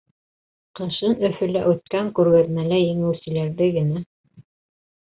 Ҡышын Өфөлә үткән күргәҙмәлә еңеүселәрҙе генә.